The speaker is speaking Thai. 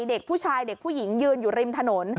เด็กผู้ชายเด็กผู้หญิงยืนอยู่ริมถนน